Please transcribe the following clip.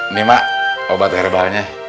ini mak obat herbalnya